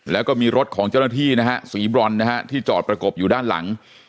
แล้วก็มีรถของเจ้าหน้าที่นะฮะสีบรอนนะฮะที่จอดประกบอยู่ด้านหลัง